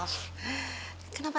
aku mau pergi ke rumah